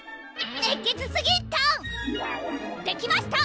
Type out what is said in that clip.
熱血すぎっトン！できました！